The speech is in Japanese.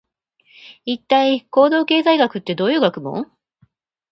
一体、行動経済学ってどういう学問？